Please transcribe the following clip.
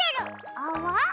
あわ？